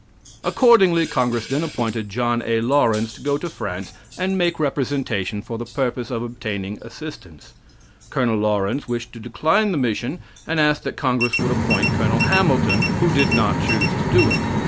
Accordingly, congress then appointed John A. Laurens to go to France and make representation for the purpose of obtaining assistance. Col. Laurens wished to decline the mission, and asked that congress would appoint Col. Hamilton, who did not choose to do it.